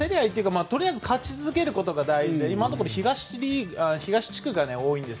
とりあえず勝ち続けることが大事で今のところ東地区が多いんです。